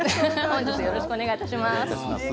よろしくお願いします。